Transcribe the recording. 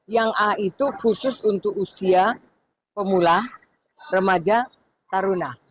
yang a itu khusus untuk usia pemula remaja taruna